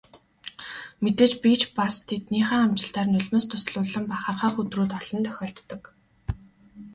Мэдээж би ч бас тэднийхээ амжилтаар нулимс дуслуулан бахархах өдрүүд олон тохиолддог.